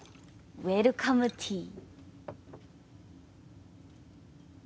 ウエルカムティー。